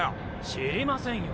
知りませんよ。